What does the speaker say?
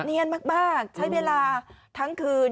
เนียนมากใช้เวลาทั้งคืน